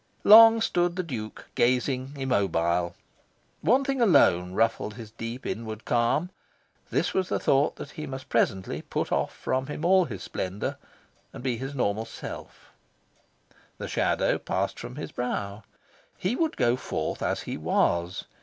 Long stood the Duke gazing, immobile. One thing alone ruffled his deep inward calm. This was the thought that he must presently put off from him all his splendour, and be his normal self. The shadow passed from his brow. He would go forth as he was.